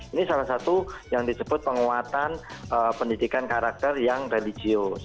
ini salah satu yang disebut penguatan pendidikan karakter yang religius